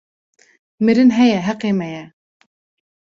Mirin heye heqê me ye